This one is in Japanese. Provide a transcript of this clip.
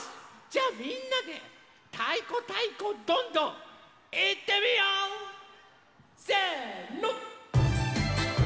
じゃあみんなで「たいこたいこどんどん！」いってみよう！せの！